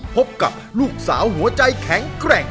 พบกับลูกสาวหัวใจแข็งแกร่ง